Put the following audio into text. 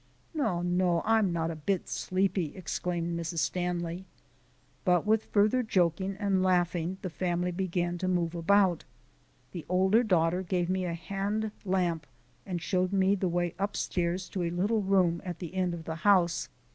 "No, no, I'm not a bit sleepy," exclaimed Mrs. Stanley. But with further joking and laughing the family began to move about. The older daughter gave me a hand lamp and showed me the way upstairs to a little room at the end of the house.